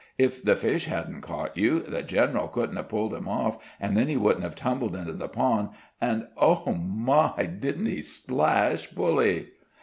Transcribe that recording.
If the fish hadn't caught you, the general couldn't have pulled him off, an' then he wouldn't have tumbled into the pond, an' oh, my! didn't he splash bully!"